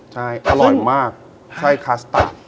ใช่อร่อยมากไส้คาสตาร์ด